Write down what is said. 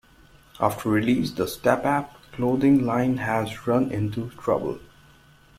After release the StepApp clothing line has run into trouble.